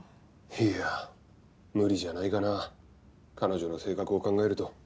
いや無理じゃないかな彼女の性格を考えると。